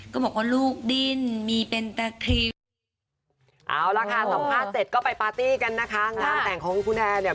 ก็บอกว่าลูกดิ้นมีเป็นตะครีว